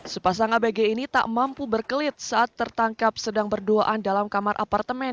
sepasang abg ini tak mampu berkelit saat tertangkap sedang berduaan dalam kamar apartemen